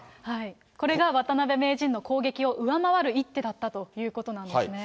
これが渡辺名人の攻撃を上回る一手だったということですね。